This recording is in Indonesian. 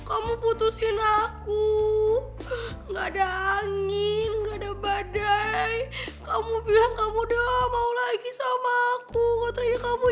aku pasti kangen banget sama kamu